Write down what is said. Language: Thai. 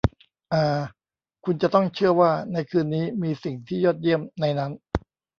อ่า คุณจะต้องเชื่อว่าในคืนนี้มีสิ่งที่ยอดเยี่ยมในนั้น